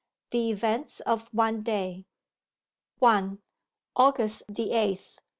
THE EVENTS OF ONE DAY 1. AUGUST THE EIGHTH.